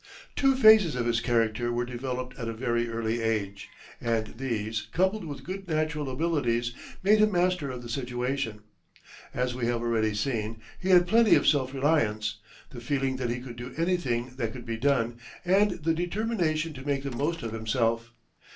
Two phases of his character were developed at a very early age, and these, coupled with good natural abilities, made him master of the situation. As we have already seen, he had plenty of self reliance, the feeling that he could do anything that could be done, and the determination to make the most of himself.